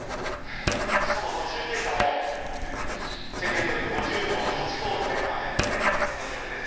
しかも途中経過も宣言どおり５０秒８５で前半入ってこの記録です。